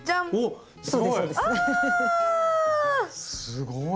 すごい。